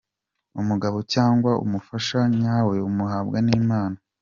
Umugabo cyangwa umufasha nyawe umuhabwa n’Imana.